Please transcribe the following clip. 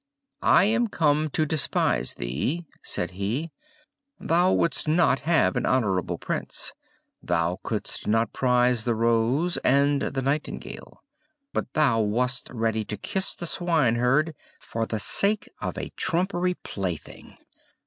"I am come to despise thee," said he. "Thou would'st not have an honorable Prince! Thou could'st not prize the rose and the nightingale, but thou wast ready to kiss the swineherd for the sake of a trumpery plaything.